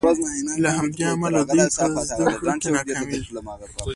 له همدې امله دوی په زدکړو کې ناکامیږي.